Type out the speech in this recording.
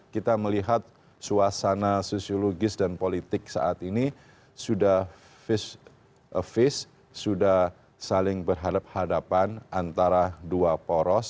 kita melihat suasana sosiologis dan politik saat ini sudah fish sudah saling berhadapan antara dua poros